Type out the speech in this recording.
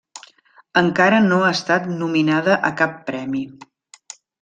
Encara no ha estat nominada a cap premi.